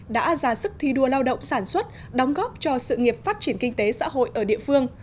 đã ra sức thi đua lao động sản xuất đóng góp cho sự nghiệp phát triển kinh tế xã hội ở địa phương